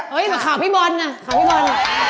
เฮ้ยเหมือนข่าวพี่บนนะ